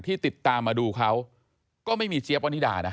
ที่ติดตามมาดูเขาก็ไม่มีเจี๊ยบวนิดานะ